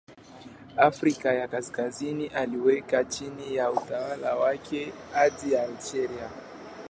Afrika ya Kaskazini aliweka chini ya utawala wake hadi Algeria.